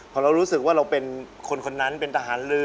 พอเรารู้สึกว่าเราเป็นคนคนนั้นเป็นทหารเรือ